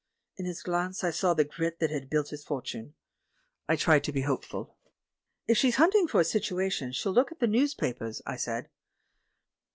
In his glance I saw the grit that had built his fortune. I tried to be hopeful. THE WOMAN WHO WISHED TO DIE 49 "If she's hunting for a situation she'll look at the newspapers," I said.